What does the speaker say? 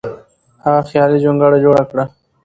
هغه خیالي جونګړه جوړه کړه.